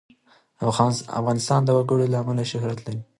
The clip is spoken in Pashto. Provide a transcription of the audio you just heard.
افغانستان د وګړي له امله شهرت لري.